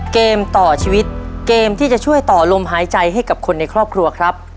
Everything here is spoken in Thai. เกมต่อชีวิตเกมที่จะช่วยต่อลมหายใจให้กับคนในครอบครัวครับ